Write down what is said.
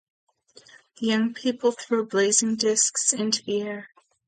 The young people throw blazing discs into the air.